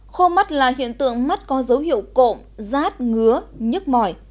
khô mắt là hiện tượng mắt có dấu hiệu cộm rát ngứa nhức mỏi